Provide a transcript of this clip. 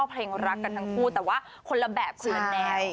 เพลงรักกันทั้งคู่แต่ว่าคนละแบบคนละแนว